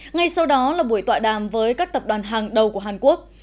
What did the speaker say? ngay sau đó là buổi tọa đàm với các tập đoàn hàng đầu của hàn quốc